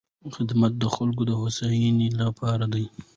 خدمت د خلکو د هوساینې لپاره دی.